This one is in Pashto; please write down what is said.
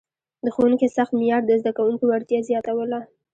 د ښوونکي سخت معیار د زده کوونکو وړتیا زیاتوله.